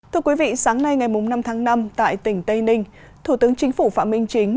thưa quý vị sáng nay ngày năm tháng năm tại tỉnh tây ninh thủ tướng chính phủ phạm minh chính